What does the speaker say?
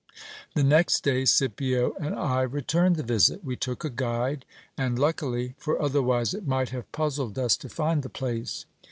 The next day, Scipio and I returned the visit. We took a guide, and luckily ; for otherwise it might have puzzled us to find the place.